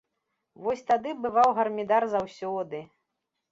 Вось тады бываў гармідар заўсёды!